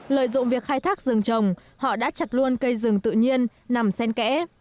lợi dụng việc khai thác rừng trồng họ đã chặt luôn cây rừng tự nhiên nằm sen kẽ